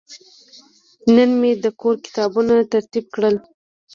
نن مې د کور کتابونه ترتیب کړل.